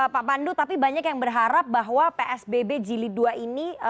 pak pandu tapi banyak yang berharap bahwa psbb jilid dua ini